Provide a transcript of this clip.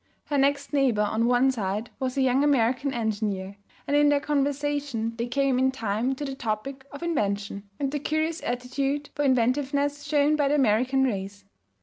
Her next neighbor on one side was a young American engineer, and in their conversation they came in time to the topic of invention and the curious aptitude for inventiveness shown by the American race.